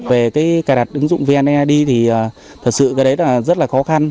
về cái cài đặt ứng dụng vneid thì thật sự cái đấy là rất là khó khăn